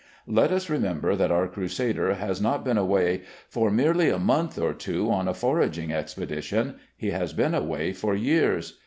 Let us remember that our crusader has not been away for merely a month or two on a foraging expedition; he has been away for years.